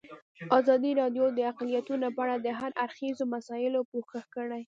ازادي راډیو د اقلیتونه په اړه د هر اړخیزو مسایلو پوښښ کړی.